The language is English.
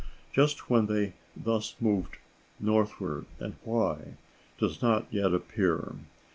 Just when they thus moved northward, and why, does not yet appear.